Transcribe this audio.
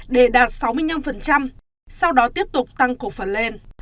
để đạt sáu mươi năm sau đó tiếp tục tăng cổ phần lên